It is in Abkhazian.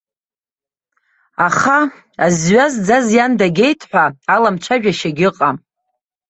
Аха, азҩа зӡаз иан дагеит ҳәа, аламцәажәашьагьы ыҟам.